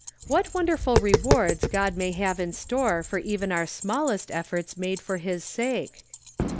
What wonderful rewards God may have in store for even our smallest efforts made for His sake